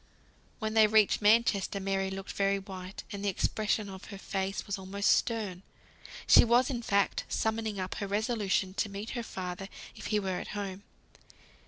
When they reached Manchester, Mary looked very white, and the expression on her face was almost stern. She was in fact summoning up her resolution to meet her father if he were at home.